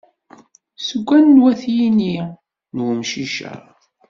Seg anwa-t yini n wemcic-a?